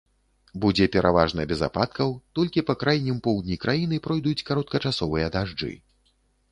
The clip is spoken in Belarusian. Будзе пераважна без ападкаў, толькі па крайнім поўдні краіны пройдуць кароткачасовыя дажджы.